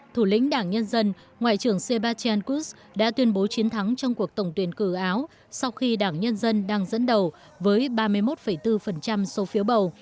thủ lĩnh đảng nhân dân ngoại trưởng sebastian kush đã tuyên bố chiến thắng trong cuộc tổng tuyển cử áo sau khi đảng nhân dân đang dẫn đầu với ba mươi một bốn số phiếu bầu